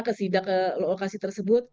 ke sidak lokasi tersebut